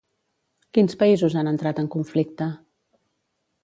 Quins països han entrat en conflicte?